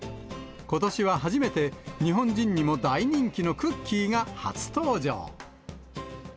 ことしは初めて、日本人にも大人気のクッキーが初登場。